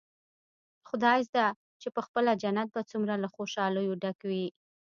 خدايزده چې پخپله جنت به څومره له خوشاليو ډک وي.